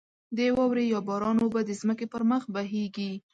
د واورې یا باران اوبه د ځمکې پر مخ بهېږې.